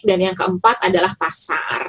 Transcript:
dan yang keempat adalah pasar